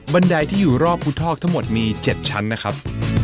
ไดที่อยู่รอบภูทอกทั้งหมดมี๗ชั้นนะครับ